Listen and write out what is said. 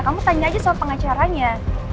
kamu tanya aja sama pengacaranya